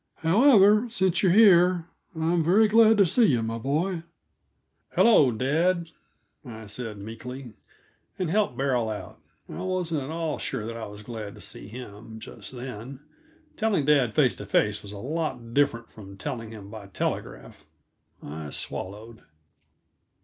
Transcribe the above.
However, since you are here, I'm very glad to see you, my boy." "Hello, dad," I said meekly, and helped Beryl out. I wasn't at all sure that I was glad to see him, just then. Telling dad face to face was a lot different from telling him by telegraph. I swallowed.